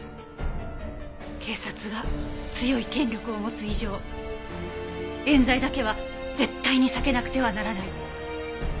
警察が強い権力を持つ以上冤罪だけは絶対に避けなくてはならない。